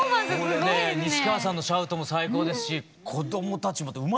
これね西川さんのシャウトも最高ですし子どもたちもまたうまいですね。